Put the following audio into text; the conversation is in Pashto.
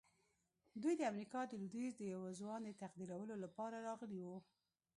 دوی د امریکا د لويديځ د یوه ځوان د تقدیرولو لپاره راغلي وو